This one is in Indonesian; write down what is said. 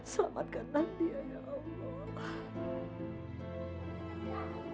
selamatkan nanti ya allah